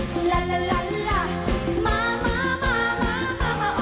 มามามามามามาออกมาเต้น